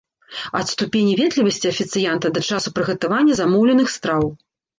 Ад ступені ветлівасці афіцыянта да часу прыгатавання замоўленых страў.